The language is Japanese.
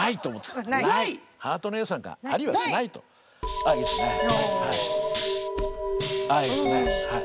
あっいいですねはい。